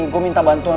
gue minta bantuan